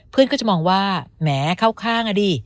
เพื่อนก็จะมองว่าแหมเข้าข้างอ่ะดิ